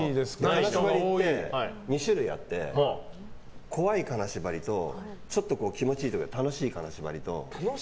金縛りって２種類あって怖い金縛りとちょっと気持ちいいというか楽しい金縛りと。